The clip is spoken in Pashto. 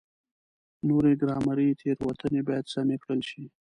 نورې ګرامري تېروتنې باید سمې کړل شي.